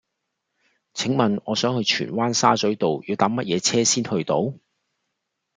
請問我想去荃灣沙咀道要搭乜嘢車先去到